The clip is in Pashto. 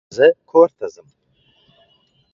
زه کور ته ځم